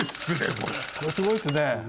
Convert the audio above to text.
これすごいっすね。